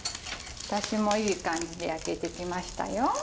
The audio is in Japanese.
私もいい感じで焼けてきましたよ。